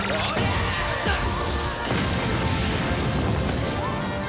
あっ。